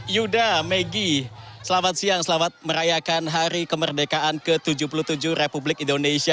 yuda megi selamat siang selamat merayakan hari kemerdekaan ke tujuh puluh tujuh republik indonesia